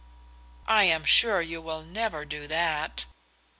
"I am sure you will never do that."